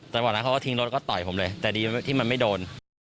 แต่ก่อนนั้นเขาก็ทิ้งรถแล้วก็ต่อยผมเลยแต่ดีที่มันไม่โดน